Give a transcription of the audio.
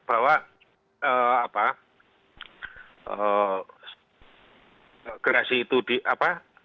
bahwa apa grasi itu di apa